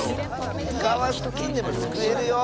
イカはスプーンでもすくえるよ。